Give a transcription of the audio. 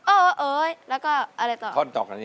โอ้ยแล้วก็อะไรต่อ